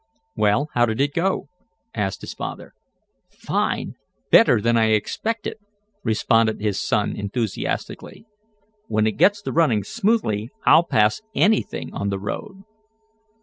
"Well, how did it go? asked his father. "Fine! Better than I expected," responded his son enthusiastically. "When it gets to running smoothly I'll pass anything on the road."